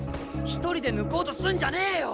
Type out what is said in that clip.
１人で抜こうとすんじゃねえよ。